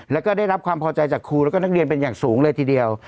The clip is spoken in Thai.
แล้วก็ได้รับความพอใจจากครูแล้วก็นักเรียนเป็นอย่างสูงเลยทีเดียว